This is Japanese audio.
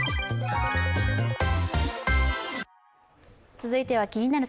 続いては「気になる！